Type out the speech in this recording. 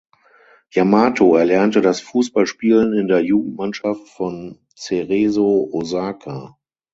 Yamato erlernte das Fußballspielen in der Jugendmannschaft von Cerezo Osaka.